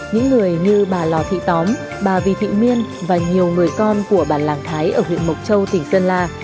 những người như bà lò thị tóm bà vì thị miên và nhiều người con của bản làng thái ở huyện mộc châu tỉnh sơn la